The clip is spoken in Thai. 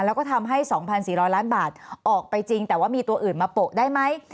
แล้วก็ทำให้๒๔๐๐ล้านบาทออกไปจริงแต่ว่ามีตัวอื่นมาโปะได้ไหม